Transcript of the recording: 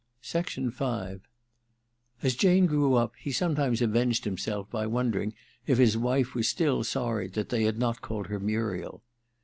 #^» As Jane grew up he sometimes avenged himself by wondering if his wife was still sorry that they had not called her Muriel.